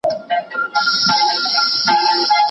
خلاق افراد د راتلونکي لپاره هڅه کوي.